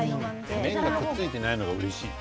麺がくっつかないのがうれしい。